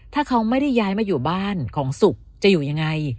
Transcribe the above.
ถ้าเขาไม่ได้ย้ายมาอยู่บ้านของสุขจะอยู่ยังไง